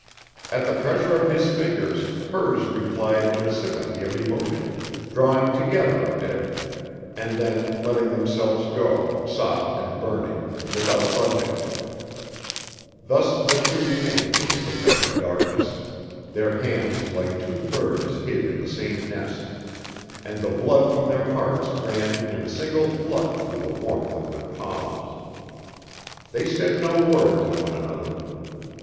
At the pressure of his fingers hers replied in a sympathy of emotion, drawing together a bit, and then letting themselves go, soft and burning, without budging. Thus the two remained in the protective darkness, their hands like two birds hid in the same nest; and the blood from their hearts ran in a single flood through the warmth of their palms. They said no word to one another.